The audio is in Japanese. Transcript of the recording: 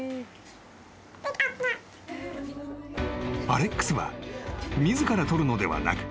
［アレックスは自ら取るのではなく］